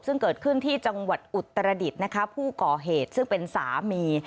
ซึ่งเกิดขึ้นที่จังหวัดอุตรดิษฐ์นะคะผู้ก่อเหตุซึ่งเป็นสามี